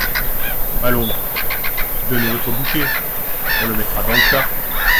Allons… donnez votre bouquet… on le mettra dans le tas !